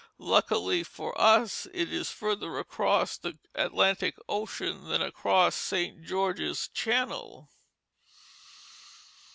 Luckily for us, it is further across the Atlantic Ocean than across St. George's Channel.